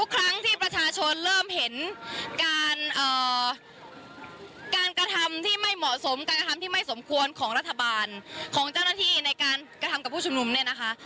การกระทำที่ไม่สมควรของรัฐบาลของเจ้าหน้าที่ในการกระทำกับผู้ชุมนุมแน่นะคะ